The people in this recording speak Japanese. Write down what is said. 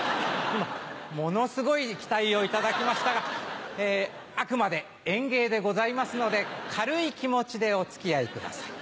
今ものすごい期待を頂きましたがあくまで演芸でございますので軽い気持ちでお付き合いください。